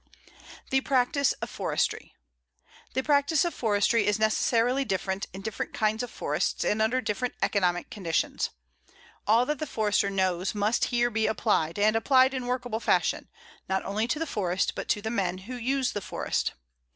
THE PRACTICE OF FORESTRY: The practice of forestry is necessarily different in different kinds of forests and under different economic conditions. All that the Forester knows must here be applied, and applied in workable fashion, not only to the forest, but to the men who use the forest.